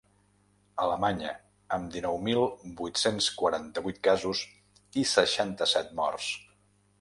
Alemanya, amb dinou mil vuit-cents quaranta-vuit casos i seixanta-set morts.